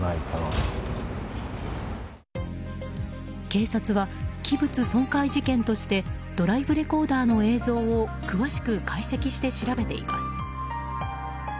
警察は器物損壊事件としてドライブレコーダーの映像を詳しく解析して調べています。